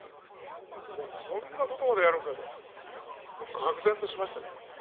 もうこんなことまでやるのかと、がく然としましたね。